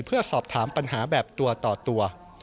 เพื่อสอบถามปัญหาแบบตัวต่อตัว